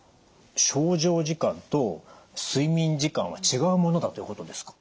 床上時間と睡眠時間は違うものだということですか？